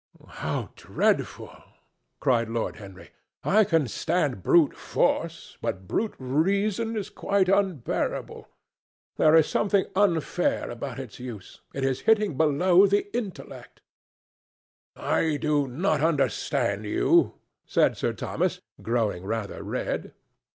"How dreadful!" cried Lord Henry. "I can stand brute force, but brute reason is quite unbearable. There is something unfair about its use. It is hitting below the intellect." "I do not understand you," said Sir Thomas, growing rather red.